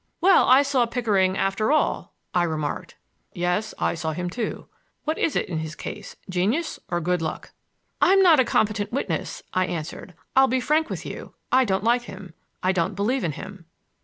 "Well, I saw Pickering after all," I remarked. "Yes, I saw him, too. What is it in his case, genius or good luck?" "I'm not a competent witness," I answered. "I'll be frank with you: I don't like him; I don't believe in him."